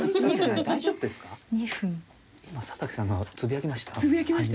今佐竹さんが呟きました？